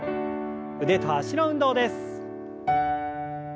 腕と脚の運動です。